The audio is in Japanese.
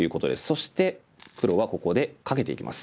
そして黒はここでカケていきます。